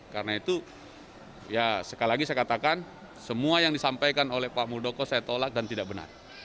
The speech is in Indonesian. karena itu ya sekali lagi saya katakan semua yang disampaikan oleh pak muldoko saya tolak dan tidak benar